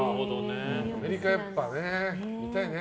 アメリカ、やっぱり見たいね。